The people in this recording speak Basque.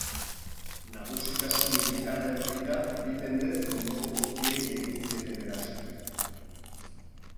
Nagusitasun militarra edukita, bi mendez ondoko guztiei egin zieten eraso.